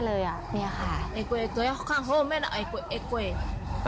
เนี่ยค่ะ